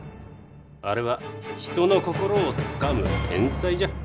あれは人の心をつかむ天才じゃ。